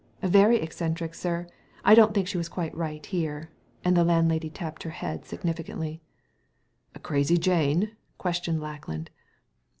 " Very eccentric, sir. I don't think she was quite right here. And the landlady tapped her head significantly. "A Crazy Jane?" questioned Lackland.